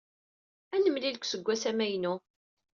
Ad nemlil deg useggas amaynu.